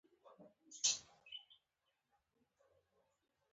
له نقاشي کولو مخکې کاغذ په خپله خوښه قات کړئ.